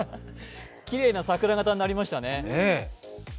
きれいな桜形になりましたね。